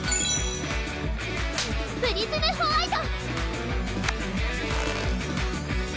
プリズムホワイト！